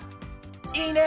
いいね！